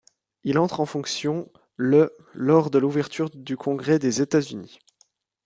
Il entre en fonction le lors de l'ouverture du congrès des États-Unis.